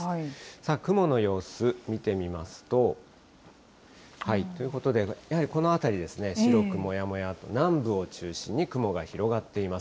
さあ、雲の様子、見てみますと。ということで、やはりこの辺りですね、白くもやもやっと、南部を中心に雲が広がっています。